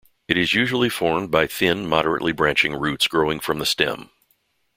It is usually formed by thin, moderately branching roots growing from the stem.